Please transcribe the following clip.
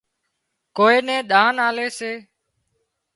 ڪوئي نين ۮانَ آلي سي